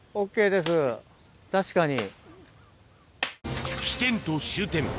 確かに。